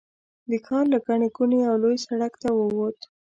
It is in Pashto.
د ښار له ګڼې ګوڼې یوه لوی سړک ته ووت.